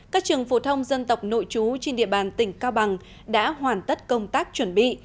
các trường phổ thông dân tộc nội trú trên địa bàn tỉnh cao bằng đã hoàn tất công tác chuẩn bị